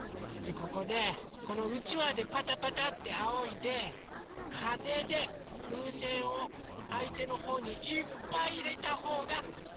ここでこのうちわでパタパタってあおいでかぜでふうせんをあいてのほうにいっぱいいれたほうがかちです！